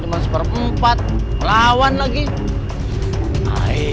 seperempat lawan lagi hai hai